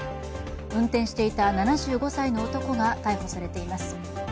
運転していた７５歳の男が逮捕されています。